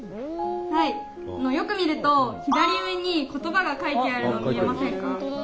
よく見ると左上に言葉が書いてあるの見えませんか？